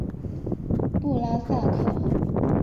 布拉萨克。